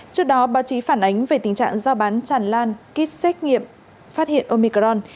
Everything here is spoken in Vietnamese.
trước đó báo chí phản ánh về tình trạng giao bán tràn lan kit xét nghiệm phát hiện omicron